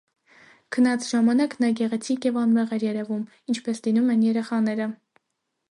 Քնած ժամանակ նա գեղեցիկ և անմեղ էր երևում, ինչպես լինում են երեխաները: